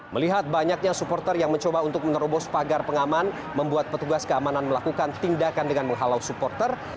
melihat banyaknya supporter yang mencoba untuk menerobos pagar pengaman membuat petugas keamanan melakukan tindakan dengan menghalau supporter